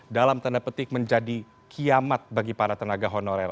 dalam tanda petik menjadi kiamat bagi para tenaga honorer